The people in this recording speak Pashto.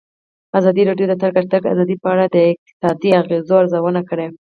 ازادي راډیو د د تګ راتګ ازادي په اړه د اقتصادي اغېزو ارزونه کړې.